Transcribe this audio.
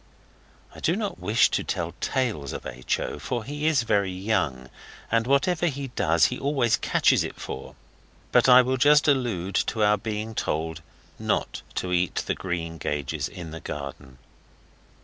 I do not wish to tell tales of H. O., for he is very young, and whatever he does he always catches it for; but I will just allude to our being told not to eat the greengages in the garden.